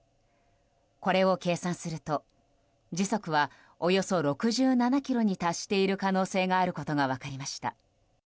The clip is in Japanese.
これを計算すると時速はおよそ６７キロに達している可能性があることが分かりました。